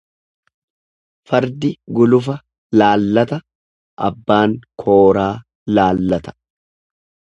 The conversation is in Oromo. Fardi gulufa laallata abbaan kooraa laallata.